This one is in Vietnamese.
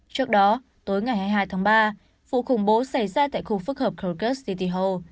trước đó tối ngày hai mươi hai tháng ba vụ khủng bố xảy ra tại khu phức hợp krogus city hall